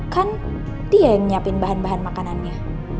kan dia yang nyiapin bahan bahan makanannya